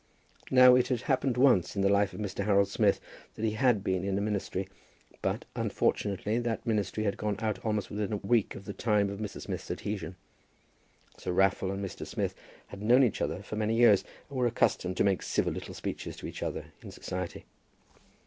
Now it had happened once in the life of Mr. Harold Smith that he had been in a Ministry, but, unfortunately, that Ministry had gone out almost within a week of the time of Mr. Smith's adhesion. Sir Raffle and Mr. Smith had known each other for many years, and were accustomed to make civil little speeches to each other in society.